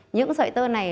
những sợi tơ này